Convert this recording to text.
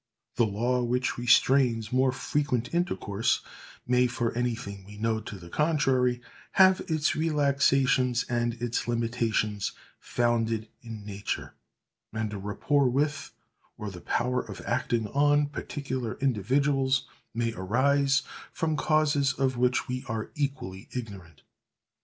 The law which restrains more frequent intercourse may, for anything we know to the contrary, have its relaxations and its limitations, founded in nature; and a rapport with, or the power of acting on, particular individuals, may arise from causes of which we are equally ignorant.